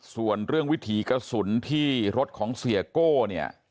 ส่วนเรื่องวิถีกระสุนที่รถของเสียโก้เนี่ย